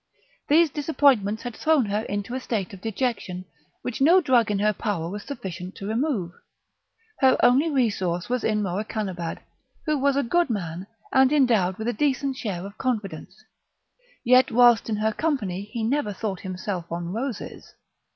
These disappointments had thrown her into a state of dejection, which no drug in her power was sufficient to remove; her only resource was in Morakanabad, who was a good man, and endowed with a decent share of confidence, yet whilst in her company he never thought himself on roses.